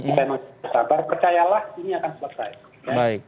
percayalah ini akan selesai